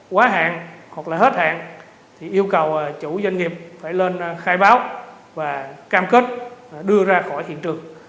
quá hạn hoặc là hết hạn thì yêu cầu chủ doanh nghiệp phải lên khai báo và cam kết đưa ra khỏi hiện trường